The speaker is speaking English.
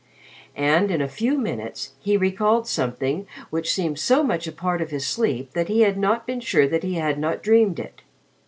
And in a few minutes, he recalled something which seemed so much a part of his sleep that he had not been sure that he had not dreamed it.